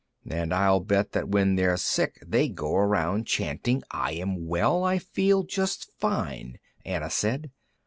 "And I'll bet that when they're sick, they go around chanting, 'I am well; I feel just fine!'" Anna said.